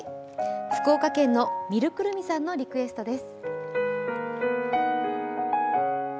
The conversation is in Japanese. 福岡県のみるくるみさんのリクエストです。